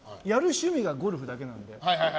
趣味がゴルフだけなので。